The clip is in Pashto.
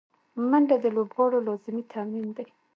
منډه د لوبغاړو لازمي تمرین دی